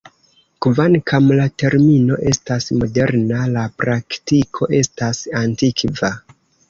Kvankam la termino estas moderna, la praktiko estas antikva.